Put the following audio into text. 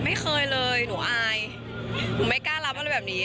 ไม่เคยเลยหนูอายหนูไม่กล้ารับอะไรแบบนี้